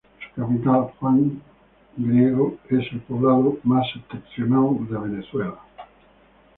Su capital Juan Griego, es el poblado más septentrional de Venezuela.